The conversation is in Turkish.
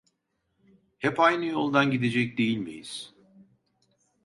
Hep aynı yoldan gidecek değil miyiz?